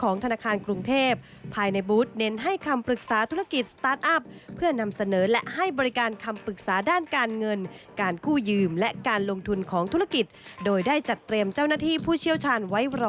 เงินต่างอย่างครบวงจร